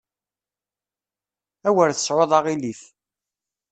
Awer tesɛuḍ aɣilif.